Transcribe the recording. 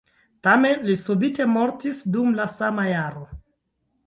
Tamen li subite mortis dum la sama jaro.